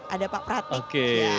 ada pak pratik